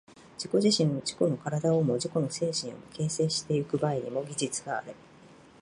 自己自身を、自己の身体をも自己の精神をも、形成してゆく場合にも、技術がある。